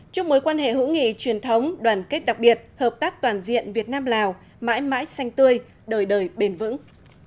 chúc mối quan hệ hữu nghị truyền thống đoàn kết đặc biệt hợp tác toàn diện việt nam lào mãi mãi xanh tươi đời đời bền vững